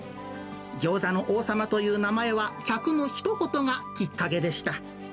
餃子の王さまという名前は、客のひと言がきっかけでした。